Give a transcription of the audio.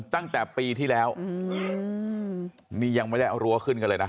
ตั้งแต่ปีที่แล้วนี่ยังไม่ได้เอารั้วขึ้นกันเลยนะ